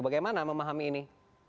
bagaimana memahami ini